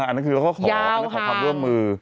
อันนั้นคือเราก็ขอความร่วมมือ